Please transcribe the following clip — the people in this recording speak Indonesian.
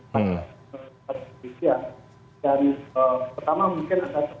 saya kira yang pertama adalah